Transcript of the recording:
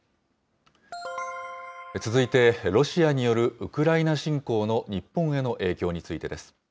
続いて、ロシアによるウクライナ侵攻の日本への影響についてです。